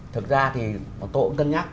thực ra tôi cũng cân nhắc